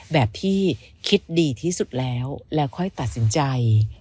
แบบที่คิดดีที่สุดแล้วแล้วค่อยตัดสินใจ